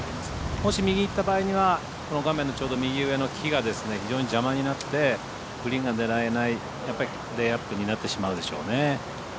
もし右いった場合には画面の右上の木が非常に邪魔になってグリーンが狙えないやっぱりレイアップになってしまうでしょうね。